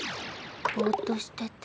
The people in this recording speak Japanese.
ぼうっとしてて。